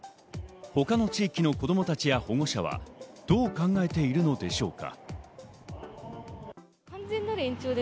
他の地域の子供たちや保護者はどう考えているのでしょうか。